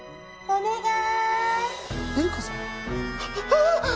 お願い！